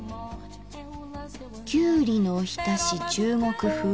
きゅうりのおひたし中国風。